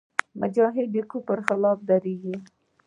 مجاهد د کفر خلاف درېږي.